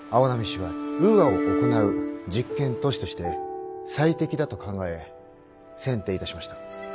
市はウーアを行う実験都市として最適だと考え選定いたしました。